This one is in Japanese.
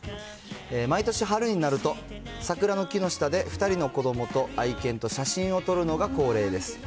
毎年春になると、桜の木の下で、２人の子どもと愛犬と写真を撮るのが恒例です。